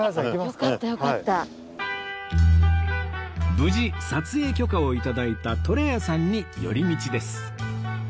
無事撮影許可を頂いたとらやさんに寄り道です